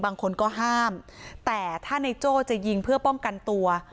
บางคนก็ห้ามแต่ถ้าในโจ้จะยิงเพื่อป้องกันตัว